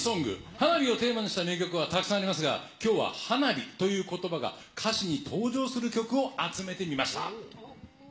花火をテーマにした名曲はたくさんありますが、きょうは花火ということばが歌詞に登場する曲を集めてみました。